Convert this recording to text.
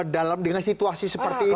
dalam dengan situasi seperti ini